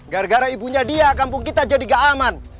gara gara ibunya dia kampung kita jadi gak aman